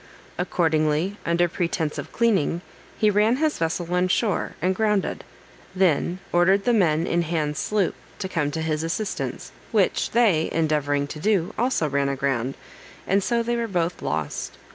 Accordingly, under pretence of cleaning, he ran his vessel on shore, and grounded; then ordered the men in Hands' sloop to come to his assistance, which they endeavoring to do, also ran aground, and so they were both lost.